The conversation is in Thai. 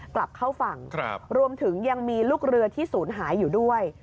กลับเข้าฝั่งรวมถึงยังมีลูกเรือที่ศูนย์หายอยู่ด้วย